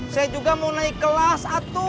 saya juga mau naik kelas satu